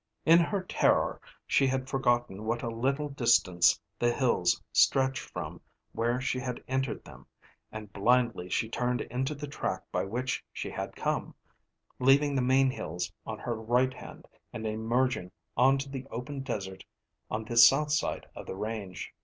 In her terror she had forgotten what a little distance the hills stretched from where she had entered them, and blindly she turned into the track by which she had come, leaving the main hills on her right hand and emerging on to the open desert on the south side of the range.